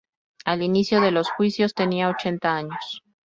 Al inicio de los juicios, tenía ochenta años.